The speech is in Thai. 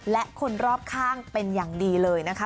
และคนรอบข้างเป็นอย่างดีเลยนะคะ